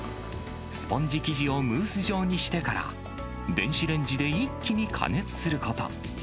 スポンジ生地をムース状にしてから、電子レンジで一気に加熱すること。